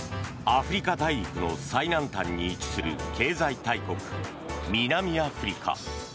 アフリカ大陸の最南端に位置する経済大国、南アフリカ。